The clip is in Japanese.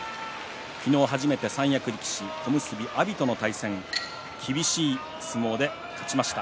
昨日、初めて三役力士小結阿炎との対戦厳しい相撲で勝ちました。